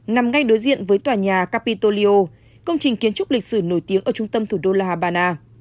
nằm ngay đối diện với tòa nhà capitolio công trình kiến trúc lịch sử nổi tiếng ở trung tâm thủ đô la habana